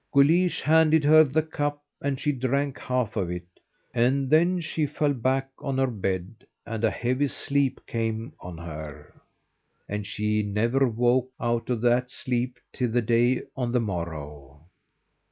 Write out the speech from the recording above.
Guleesh handed her the cup, and she drank half of it, and then fell back on her bed and a heavy sleep came on her, and she never woke out of that sleep till the day on the morrow.